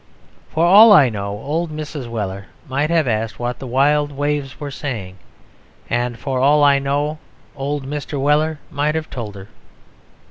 For all I know old Mrs. Weller might have asked what the wild waves were saying; and for all I know old Mr. Weller might have told her.